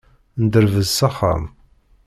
Nedderbez s axxam.